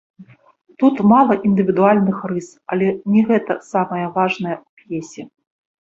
Тут мала індывідуальных рыс, але не гэта самае важнае ў п'есе.